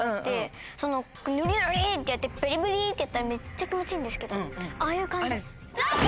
塗り塗りってやってベリベリってやったらめっちゃ気持ちいいんですけどああいう感じ。